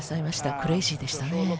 クレイジーでしたね。